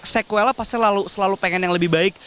sequella pasti selalu pengen yang lebih baik